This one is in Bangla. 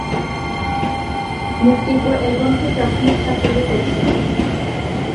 মুক্তির পর অ্যালবামটি প্রাথমিক সাফল্য পেয়েছিল।